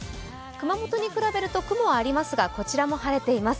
熊本に比べると雲はありますがこちらも晴れています。